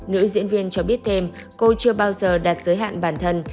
nữ diễn viên cho biết thêm cô chưa bao giờ đặt giới hạn bản thân